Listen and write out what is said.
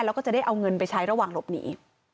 แล้วก็จะได้เอาเงินไปใช้ระหว่างหลบหนี